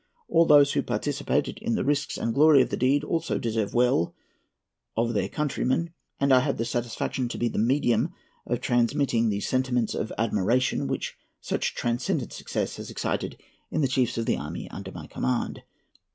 All those who participated in the risks and glory of the deed also deserve well of their countrymen; and I have the satisfaction to be the medium of transmitting the sentiments of admiration which such transcendent success has excited in the chiefs of the army under my command."